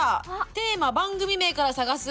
「テーマ・番組名」から探す。